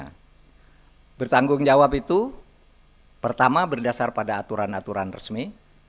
nah bertanggung jawab itu pertama berdasar pada aturan aturan resmi